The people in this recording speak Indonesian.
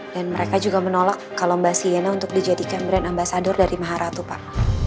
dan mereka juga menolak kalau mbak sienna untuk dijadikan brand ambasador dari maharatu pak